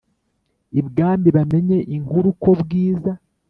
ibwami bamenye inkuru ko bwiza